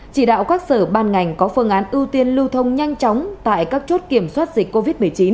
chỉ đạo các sở ban ngành có phương án ưu tiên lưu thông nhanh chóng tại các chốt kiểm soát dịch covid một mươi chín